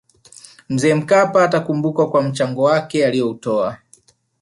mzee mkapa atakumbukwa kwa mchango wake aliyoutoa